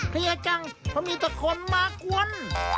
เลียจังเพราะมีแต่คนมากวน